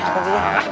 ya udah deh nanti aja